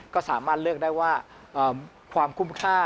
ก็สามารถเลือกได้ว่าความคุ้มค่า